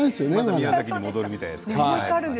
宮崎に戻るみたいですよね。